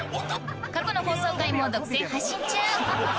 過去の放送回も独占配信中！